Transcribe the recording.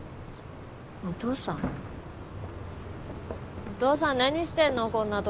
お父さん？